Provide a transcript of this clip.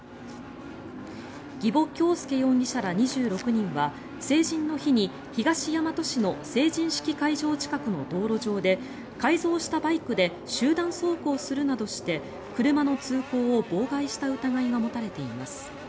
儀保恭祐容疑者ら２６人は成人の日に東大和市の成人式会場近くの道路上で改造したバイクで集団走行するなどして車の通行を妨害した疑いが持たれています。